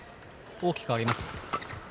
大きく上げます。